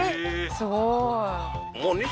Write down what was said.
すごーい